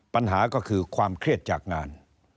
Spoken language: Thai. ปัญหาก็คือความเครียดจากงาน